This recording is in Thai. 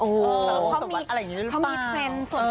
โอ้โหเขามีเทรนด์ส่วนธรรมะหรือเปล่า